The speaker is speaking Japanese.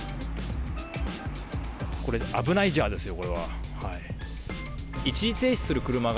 これ、あぶないジャーですよ。